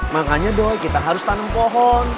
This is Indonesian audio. makanya dong kita harus tanam pohon